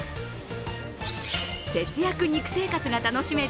節約肉生活が楽しめる